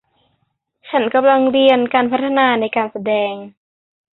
ฉันกำลังเรียนการพัฒนาในการแสดง